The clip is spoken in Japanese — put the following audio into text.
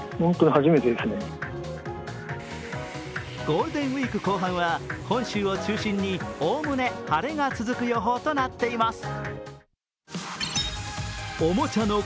ゴールデンウイーク後半は本州を中心におおむね晴れが続く予報となっています。